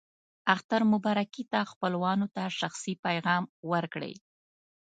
اختر مبارکي ته خپلوانو ته شخصي پیغام ورکړئ.